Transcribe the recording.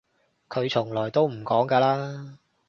佢從來都唔講㗎啦